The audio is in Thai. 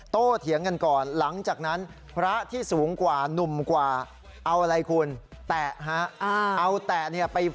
โตเถียงกันก่อน